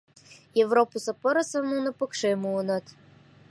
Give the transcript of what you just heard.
Европысо пырысым нуно пыкше муыныт.